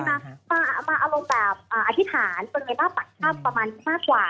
ใช่ค่ะมามาเอาแบบอ่าอธิษฐานเป็นในบ้านปัจจับประมาณนี้มากกว่า